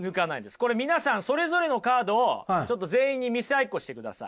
これ皆さんそれぞれのカードをちょっと全員に見せ合いっこしてください。